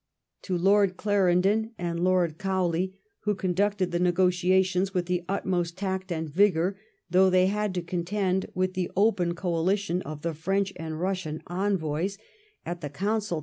To Lord Clarendon and Lord Cowley, who conducted the negotiations with the utmost taot and vigour, though they had to contend with the open coalition of the French and Bussian envoys at the CONCLUSION OF THE RUSSIAN WAR.